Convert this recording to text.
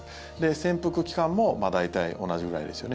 潜伏期間も大体同じぐらいですよね。